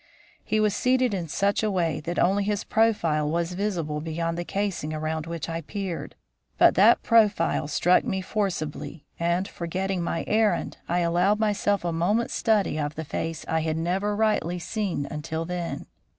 He was seated in such a way that only his profile was visible beyond the casing around which I peered. But that profile struck me forcibly, and, forgetting my errand, I allowed myself a moment's study of the face I had never rightly seen till then.